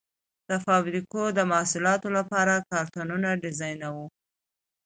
د فابریکو د محصولاتو لپاره کارتنونه ډیزاینوي.